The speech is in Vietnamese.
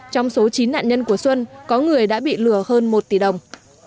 trong số chín nạn nhân của xuân có người đã bị lừa hơn một tỷ đồng